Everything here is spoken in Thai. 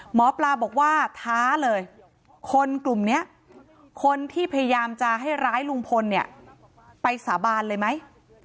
หมอปลาบอกว่าท้าเลยคนกลุ่มนี้คนที่พยายามจะให้ร้ายลุงพลเนี่ยไปสาบานเลยไหม